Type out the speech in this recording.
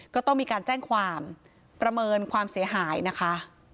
ก็ต้องมีการแจ้งความประเมินความเสียหายนะคะ